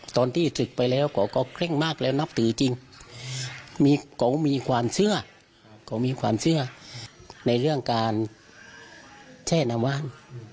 ตอนที่ถึกไปแล้วเขาก็เคร่งมากแล้วนับถือจริงเขามีขวานเสื้อในเรื่องการแช่น้ำว่าน